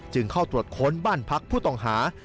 เข้าตรวจค้นบ้านพักผู้ต้องหา